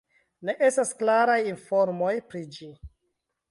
Ne estas klaraj informoj pri ĝi.